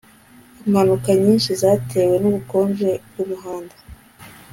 impanuka nyinshi zatewe nubukonje bwumuhanda